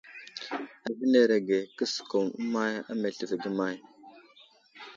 Ahənerege :» kəsəkum əmay á meltivi ge may ?«.